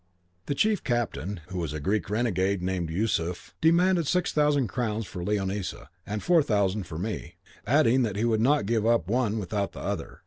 "The chief captain, who was a Greek renegade named Yusuf, demanded six thousand crowns for Leonisa and four thousand for me, adding that he would not give up the one without the other.